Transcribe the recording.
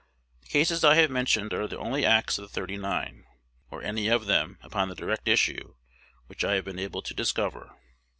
The cases I have mentioned are the only acts of the "thirty nine," or of any of them, upon the direct issue, which I have been able to discover.